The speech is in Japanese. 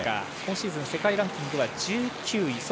今シーズン世界ランキングでは１９位。